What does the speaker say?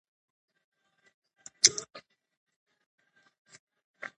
که ښځه مالي خپلواکي ولري، نو خپل تصمیمونه په اعتماد نیسي.